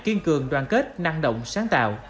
kiên cường đoàn kết năng động sáng tạo